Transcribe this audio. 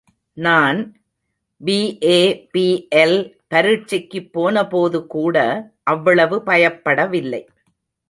நான் B A., B L பரிட்சைக்குப் போனபோதுகூட அவ்வளவு பயப்படவில்லை.